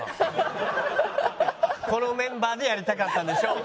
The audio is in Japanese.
このメンバーでやりたかったんでしょう。